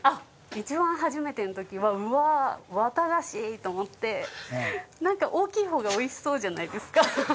一番初めての時のは「うわ！綿菓子！」と思ってなんか大きい方がおいしそうじゃないですか。